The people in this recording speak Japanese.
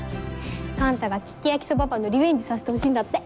幹太が利き焼きそばパンのリベンジさせてほしいんだって。